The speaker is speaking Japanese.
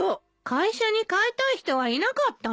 会社に飼いたい人はいなかったの？